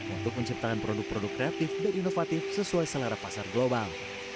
untuk menciptakan produk produk kreatif dan inovatif sesuai selera pasar global